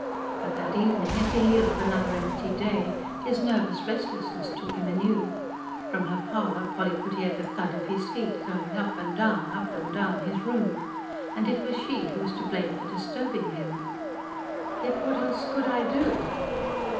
But that evening, at the heel of another empty day, his nervous restlessness took him anew. From her parlour Polly could hear the thud of his feet, going up and down, up and down his room. And it was she who was to blame for disturbing him! "Yet what else could I do?"